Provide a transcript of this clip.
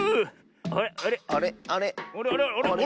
あれあれ？